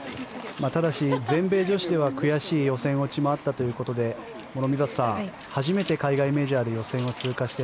ただし、全米女子では悔しい予選落ちもあったということで諸見里さん、初めて海外メジャーで予選を通過して